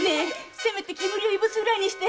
せめて煙をいぶすぐらいにして。